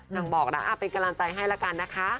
บอกนะเป็นกำลังใจให้ละกันนะคะ